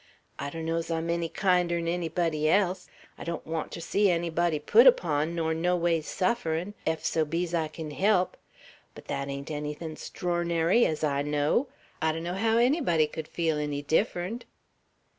I donno's I'm enny kinder'n ennybody else. I don't want ter see ennybody put upon, nor noways sufferin', ef so be's I kin help; but thet ain't ennythin' stronary, ez I know. I donno how ennybody could feel enny different."